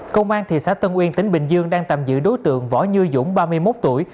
công an thị xã tân uyên tỉnh bình dương đang tạm giữ đối tượng võ như dũng ba mươi một tuổi